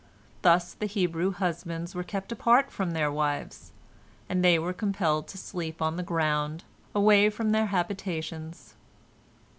Thus the Hebrew husbands were kept apart from their wives, and they were compelled to sleep on the ground, away from their habitations.